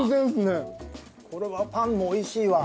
これはパンも美味しいわ。